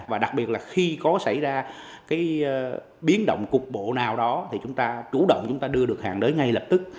và đặc biệt là khi có xảy ra cái biến động cục bộ nào đó thì chúng ta chủ động chúng ta đưa được hàng tới ngay lập tức